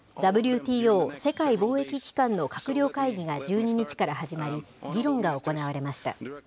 ＷＴＯ・世界貿易機関の閣僚会議が１２日から始まり、議論が行われました。